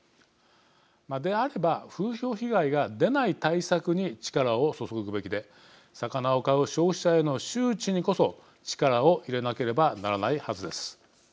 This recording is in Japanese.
であれば風評被害が出ない対策に力を注ぐべきで魚を買う消費者への周知にこそ力を入れなければならないはずです。